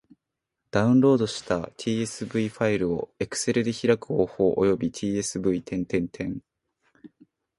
ダウンロードした tsv ファイルを Excel で開く方法及び tsv ...